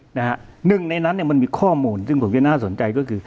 หนึ่งในนั้นมันมีข้อมูลซึ่งผมด้วยน่าสนใจก็คือ